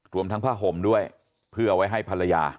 รวมทั้งผ้าห่มด้วยเพื่อเอาไว้ให้ภรรยา